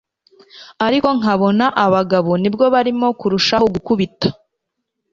ariko nkabona abagabo nibwo barimo kurushaho gukubita